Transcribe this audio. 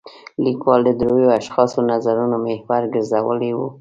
لیکوال د درېو اشخاصو نظرونه محور ګرځولی و.